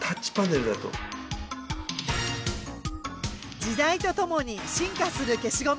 時代と共に進化する消しゴム！